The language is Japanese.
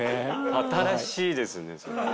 新しいですねそれ。